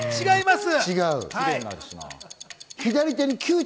違います。